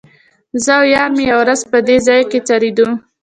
زه او یار مې یوه ورځ په دې ځای کې څریدو.